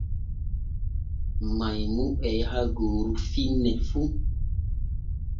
Maymu e yaha gooru finne fu.